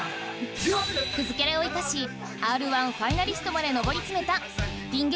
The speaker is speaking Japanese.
クズキャラを生かし『Ｒ−１』ファイナリストまでのぼり詰めたピン